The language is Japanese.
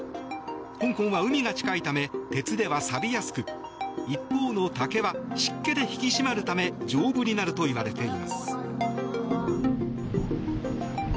香港は海が近いため鉄ではさびやすく一方の竹は湿気で引き締まるため丈夫になるといわれています。